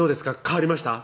変わりました？